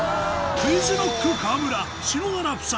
ＱｕｉｚＫｎｏｃｋ・河村篠原夫妻